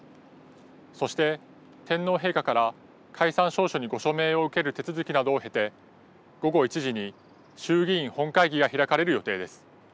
そして、天皇陛下から解散詔書にご署名を受ける手続きなどを経て午後１時に衆議院本会議が開かれる予定です。